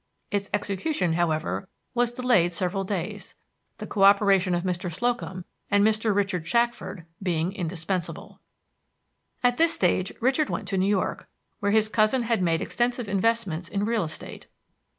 Its execution, however, was delayed several days, the cooperation of Mr. Slocum and Mr. Richard Shackford being indispensable. At this stage Richard went to New York, where his cousin had made extensive investments in real estate.